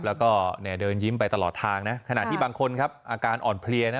แล้วก็เนี่ยเดินยิ้มไปตลอดทางนะขณะที่บางคนครับอาการอ่อนเพลียนะ